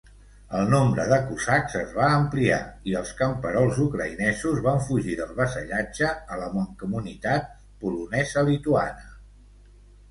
El nombre de cosacs es va ampliar i els camperols ucraïnesos van fugir del vassallatge a la mancomunitat polonesa-lituana.